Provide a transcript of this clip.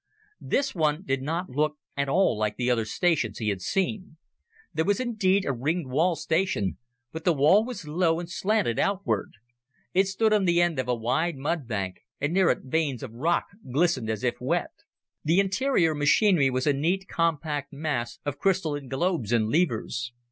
This one did not look at all like the other stations he had seen. There was indeed a ringed wall station, but the wall was low and slanted outward. It stood on the end of a wide mudbank, and near it veins of rock glistened as if wet. The interior machinery was a neat, compact mass of crystalline globes and levers.